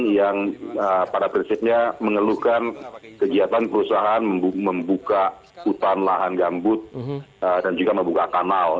yang pada prinsipnya mengeluhkan kegiatan perusahaan membuka hutan lahan gambut dan juga membuka kanal